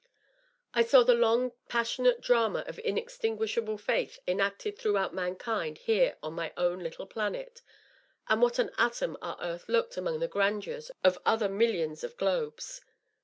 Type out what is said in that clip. I saw the long passionate drama of inextinguishable faith enacted through out mankind here on my own little planet (and what an atom our earth looked among the grandeurs of other millions of globes